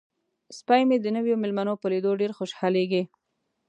سپی مې د نویو میلمنو په لیدو ډیر خوشحالیږي.